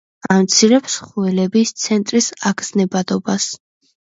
ამცირებს ხველების ცენტრის აგზნებადობას.